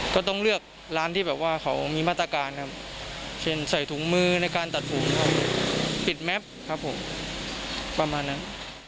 ก็ต้องเลือกร้านที่แบบว่าเขามีมาตรการครับเช่นใส่ถุงมือในการตัดผมปิดแม็ปครับผมประมาณนั้น